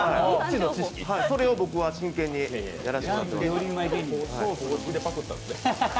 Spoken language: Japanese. それを僕は真剣にやらさせてもらいます。